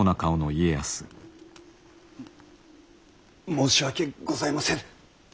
申し訳ございませぬ。